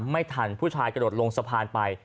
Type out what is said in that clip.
ไม่ทันผู้ชายกระโดดลงสะพานไป